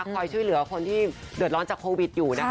คอยช่วยเหลือคนที่เดือดร้อนจากโควิดอยู่นะคะ